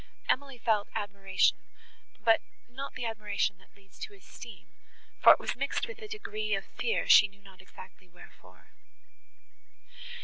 Emily felt admiration, but not the admiration that leads to esteem; for it was mixed with a degree of fear she knew not exactly wherefore.